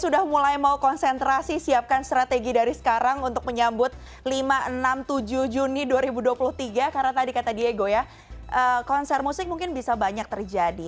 sudah mulai mau konsentrasi siapkan strategi dari sekarang untuk menyambut lima enam tujuh juni dua ribu dua puluh tiga karena tadi kata diego ya konser musik mungkin bisa banyak terjadi